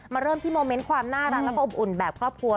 เริ่มที่โมเมนต์ความน่ารักแล้วก็อบอุ่นแบบครอบครัว